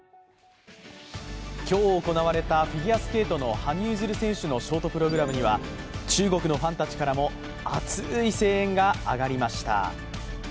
今日行われたフィギュアスケートの羽生結弦選手のショートプログラムには中国のファンたちからも熱い声援が上がりました。